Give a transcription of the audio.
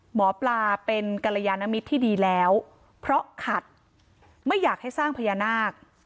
หมอปลาเป็นกรยานมิตรที่ดีแล้วเพราะขัดไม่อยากให้สร้างพญานาค